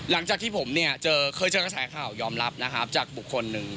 ล่างจากที่ผมเนี่ยเจอเคยเช็คสายข่าวยอมรับนะครับจากบุคคลหนึ่ง